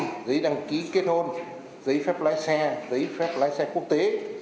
giấy đăng ký kết hôn giấy phép lái xe giấy phép lái xe quốc tế